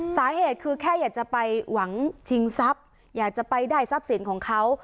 สาเหตุคือแค่อยากจะไปหวังชิงทรัพย์อยากจะไปได้ทรัพย์สินของเขา